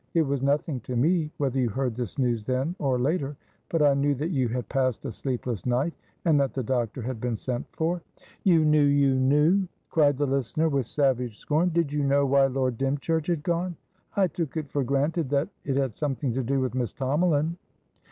It was nothing to me whether you heard this news then or later; but I knew that you had passed a sleepless night, and that the doctor had been sent for." "You knewyou knew!" cried the listener, with savage scorn. "Did you know why Lord Dymchurch had gone?" "I took it for granted thatit had something to do with Miss Tomalin."